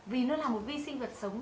vì nó là một vi sinh vật sống